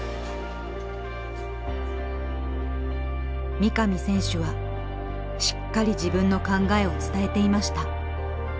三上選手はしっかり自分の考えを伝えていました。